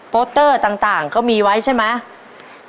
โต๊ะเตอร์ต่างก็มีไว้ใช่ไหม